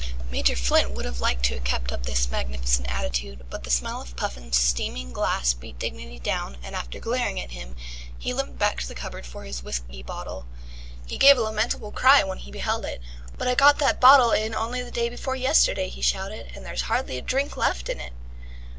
Major Flint would have liked to have kept up this magnificent attitude, but the smell of Puffin's steaming glass beat dignity down, and after glaring at him, he limped back to the cupboard for his whisky bottle. He gave a lamentable cry when he beheld it. "But I got that bottle in only the day before yesterday," he shouted, "and there's hardly a drink left in it."